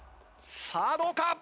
さあどうか？